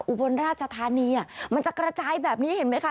อุบลราชธานีมันจะกระจายแบบนี้เห็นไหมคะ